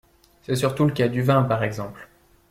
C'est surtout le cas du vin par exemple.